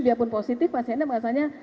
dia pun positif pasiennya merasanya